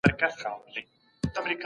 د پروژو درېدل لوی ناورین و.